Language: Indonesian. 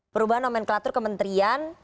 perubahan nomenklatur kementerian